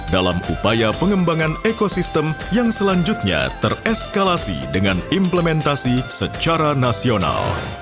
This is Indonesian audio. dalam upaya pengembangan ekosistem yang selanjutnya tereskalasi dengan implementasi secara nasional